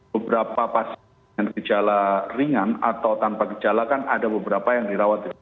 beberapa pasien dengan gejala ringan atau tanpa gejala kan ada beberapa yang dirawat